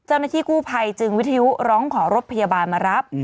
เจ้าหน้าที่กู้ภัยจึงวิทยุร้องขอรถพยาบาลมารับ